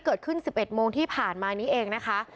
เกิดขึ้น๑๑โมงที่ผ่านมานี้เองนะคะ